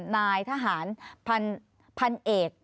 นายทหารพันเอก